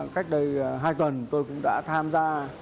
cách đây hai tuần tôi cũng đã tham gia